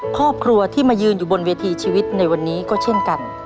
ครอบครัวที่มายืนอยู่บนเวทีชีวิตในวันนี้ก็เช่นกัน